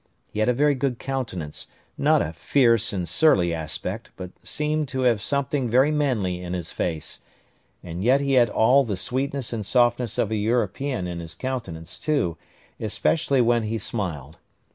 He had a very good countenance, not a fierce and surly aspect, but seemed to have something very manly in his face; and yet he had all the sweetness and softness of a European in his countenance, too, especially when he smiled.